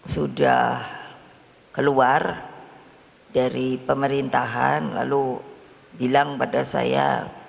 sudah keluar dari pemerintahan lalu bilang pada saya